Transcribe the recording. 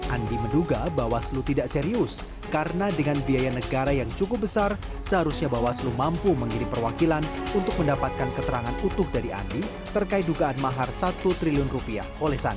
andi menduga bawaslu tidak serius karena dengan biaya negara yang cukup besar seharusnya bawaslu mampu mengirim perwakilan untuk mendapatkan keterangan utuh dari andi terkait dugaan mahar satu triliun rupiah oleh sandi